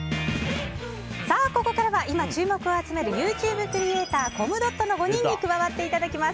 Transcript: ここからは今注目を集めるＹｏｕＴｕｂｅクリエーターコムドットの５人に加わっていただきます。